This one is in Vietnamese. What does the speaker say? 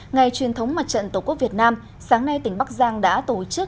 ngày truyền thống mặt trận tổ quốc việt nam sáng nay tỉnh bắc giang đã tổ chức